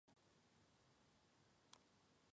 另有说法他是景文王庶子。